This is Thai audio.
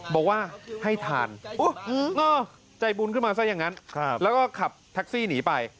บอกว่าให้ทานใจบุญขึ้นมาซะอย่างนั้นแล้วก็ขับแท็กซี่หนีไป